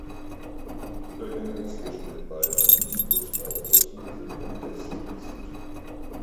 Die Übergänge zwischen den beiden Midibus-Baugrößen sind indes fließend.